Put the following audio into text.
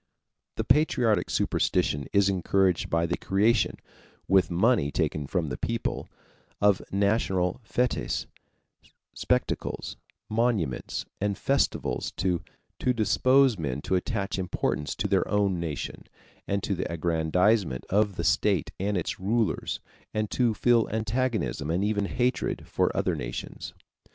The patriotic superstition is encouraged by the creation, with money taken from the people, of national fêtes, spectacles, monuments, and festivals to dispose men to attach importance to their own nation, and to the aggrandizement of the state and its rulers, and to feel antagonism and even hatred for other nations.